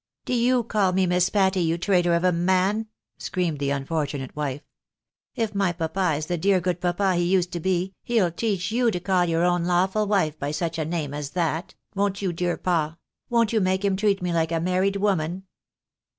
" Do you call me Miss Patty, you traitor of a man ?" screamed the unfortunate wife. " If my papa is the dear good papa he used to be, he'U teach you to caU your own lawful wife by such a name as that — won't you, dear pa ?— won't you make him treat me like a married woman